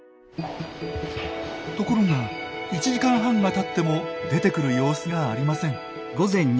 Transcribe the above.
ところが１時間半がたっても出てくる様子がありません。